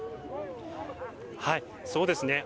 そうですね。